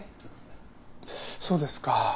そうですか。